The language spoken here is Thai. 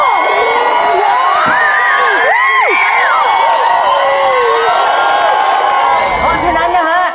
เพราะฉะนั้นนะฮะ